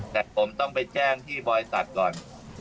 แต่ผมต้องไปแจ้งที่บริษัทก่อน